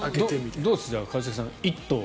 どうです一茂さん、１頭。